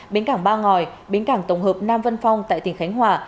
bến cảng ba ngòi bến cảng tổng hợp nam vân phong tại tỉnh khánh hòa